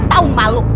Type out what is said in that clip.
nggak tau malu